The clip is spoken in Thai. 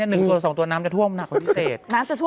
หนึ่งตัวสองตัวน้อมน้ำจะท่วมหนักกว่าพิเศษ